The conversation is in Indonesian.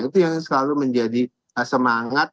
itu yang selalu menjadi semangat